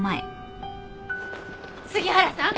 杉原さん！